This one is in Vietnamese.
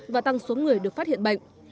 và tăng số người được phát hiện bệnh